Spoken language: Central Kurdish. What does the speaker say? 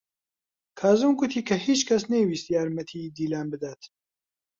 کازم گوتی کە هیچ کەس نەیویست یارمەتیی دیلان بدات.